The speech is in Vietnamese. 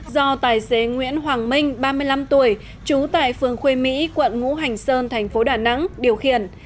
do tài xế nguyễn hoàng minh ba mươi năm tuổi trú tại phường khuê mỹ quận ngũ hành sơn thành phố đà nẵng điều khiển